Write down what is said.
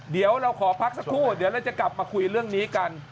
เดี๋ยวเราขอพักสักครู่เดี๋ยวเราจะกลับมาคุยเรื่องนี้กัน